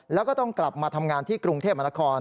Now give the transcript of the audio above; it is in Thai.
แล้วก็ต้องกลับมาทำงานที่กรุงเทพมนาคม